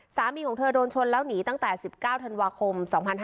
สามีของเธอโดนชนแล้วหนีตั้งแต่๑๙ธันวาคม๒๕๕๙